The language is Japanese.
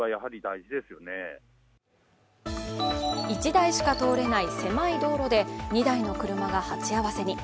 １台しか通れない狭い道路で２台の車が鉢合わせに。